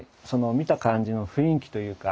見た感じの雰囲気というか。